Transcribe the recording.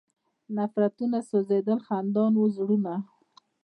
نفرتونه سوځېدل، خندان و زړونه